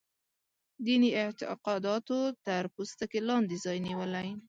دیني اعتقاداتو تر پوستکي لاندې ځای نیولی.